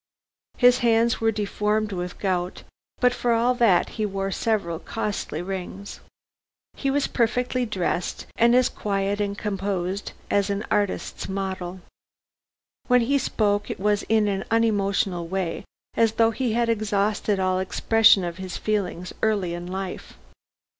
His hands were deformed with gout, but for all that he wore several costly rings. He was perfectly dressed, and as quiet and composed as an artist's model. When he spoke it was in an unemotional way, as though he had exhausted all expression of his feelings early in life.